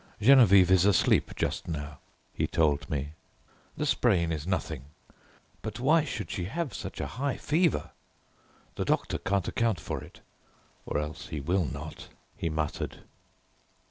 "Geneviève is asleep just now," he told me, "the sprain is nothing, but why should she have such a high fever? The doctor can't account for it; or else he will not," he muttered.